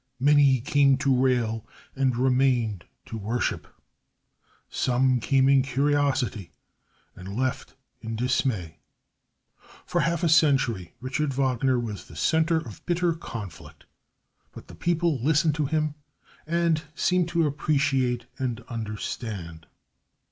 Many came to rail and remained to worship. Some came in curiosity and left in dismay. For half a century Richard Wagner was the center of bitter conflict. But the people listened to him and seemed to appreciate and understand.